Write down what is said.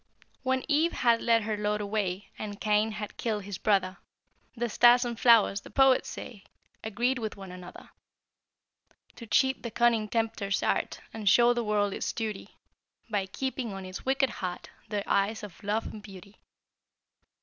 When Eve had led her lord away, And Cain had killed his brother, The stars and flowers, the poets say, Agreed with one another To cheat the cunning tempter's art And show the world its duty, By keeping on its wicked heart Their eyes of love and beauty.